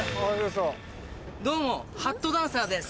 どうもハットダンサーです。